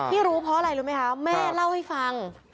รู้เพราะอะไรรู้ไหมคะแม่เล่าให้ฟัง